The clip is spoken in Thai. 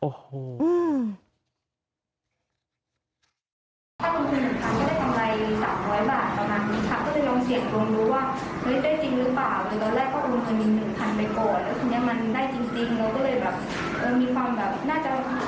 ก็ได้ทำไร๓๐๐บาทประมาณนี้ครับก็เลยลองเชียงลองรู้ว่า